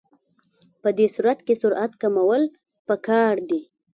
په دې صورت کې سرعت کمول پکار دي